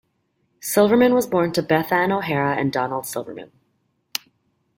Silverman was born to Beth Ann O'Hara and Donald Silverman.